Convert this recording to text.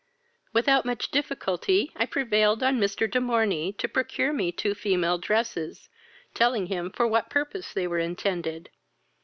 Without much difficulty I prevailed on Mr. De Morney to procure me two female dresses, telling him for what purpose they were intended.